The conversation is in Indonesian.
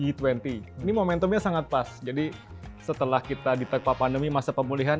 ini momentumnya sangat pas jadi setelah kita di tagpa pandemi masa pemulihan